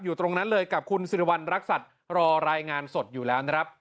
อยู่ตรงนั้นเลยกับคุณสิริวัณรักษัตริย์รอรายงานสดอยู่แล้วนะครับ